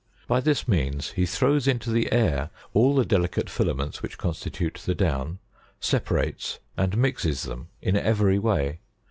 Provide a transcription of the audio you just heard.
By 'this means he throws into the air all the delicate filaments which constitute the down, separates, and mixes them in every way.